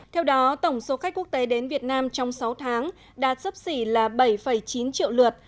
theo đó tổng số khách quốc tế đến việt nam trong sáu tháng đạt sấp xỉ là bảy chín triệu lượt